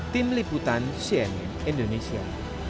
tim liputan sien indonesia